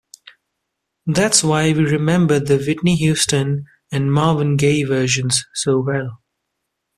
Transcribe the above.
That's why we remember the Whitney Houston and Marvin Gaye versions so well.